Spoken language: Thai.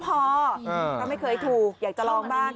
เพราะไม่เคยถูกอยากจะลองบ้าง